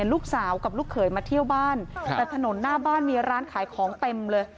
ลูกสาวกับลูกเขยมาเที่ยวบ้านแต่ถนนหน้าบ้านมีร้านขายของเต็มเลย